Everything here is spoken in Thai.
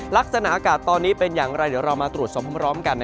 ลักษณะอากาศตอนนี้เป็นอย่างไรเดี๋ยวเรามาตรวจสอบพร้อมกัน